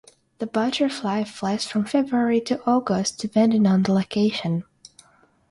The butterfly flies from February to August depending on the location.